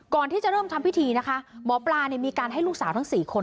ก่อนที่จะเริ่มทำพิธีนะคะหมอปลาเนี่ยมีการให้ลูกสาวทั้ง๔คน